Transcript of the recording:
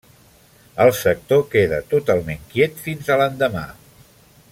El sector queda totalment quiet fins a l'endemà.